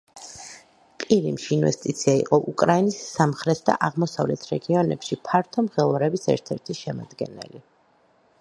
ყირიმში ინტერვენცია იყო უკრაინის სამხრეთ და აღმოსავლეთ რეგიონებში ფართო მღელვარების ერთ-ერთი შემადგენელი.